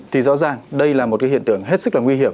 thì rõ ràng đây là một cái hiện tượng hết sức là nguy hiểm